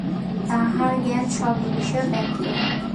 তাঁর জ্ঞান সর্ববিষয়ে ব্যাপ্ত।